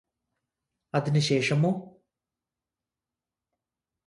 അതിന് ശേഷമോ